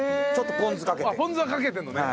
ポン酢はかけてるのね。